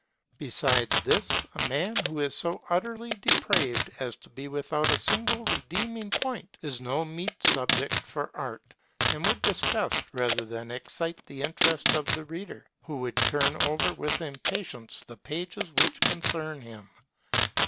Besides this, a man who is so utterly depraved as to be without a single redeeming point is no meet subject for art, and would disgust rather than excite the interest of the reader; who would turn over with impatience the pages which concern him.